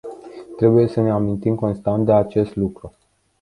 Trebuie să ne amintim constant de acest lucru.